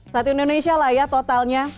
satu indonesia lah ya totalnya